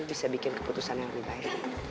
bisa bikin keputusan yang lebih baik